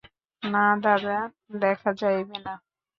না দাদা, দেখা যাইবে না।